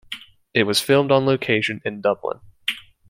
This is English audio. It was filmed on location in Dublin.